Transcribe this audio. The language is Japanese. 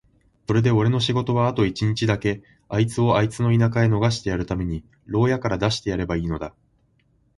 それでおれの仕事はあと一日だけ、あいつをあいつの田舎へ逃してやるために牢屋から出してやればいいのだ。